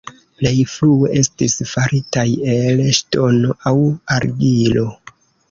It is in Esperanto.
Plej frue estis faritaj el ŝtono aŭ argilo.